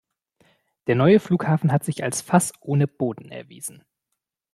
Der neue Flughafen hat sich als Fass ohne Boden erwiesen.